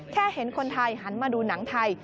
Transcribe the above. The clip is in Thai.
เห็นคนไทยหันมาดูหนังไทย